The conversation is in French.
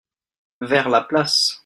Vers la place.